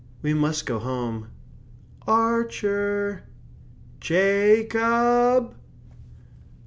We must go home. Ar cher! Ja cob!"